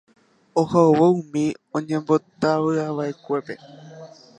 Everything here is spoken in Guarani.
oha'uvõ umi oñembotavyva'ekuépe